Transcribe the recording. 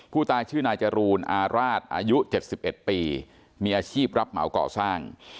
ผู้ตายชื่อนายจรูนอาราชอายุ๗๑ปีมีอาชีพรับเหมาก่อสร้าง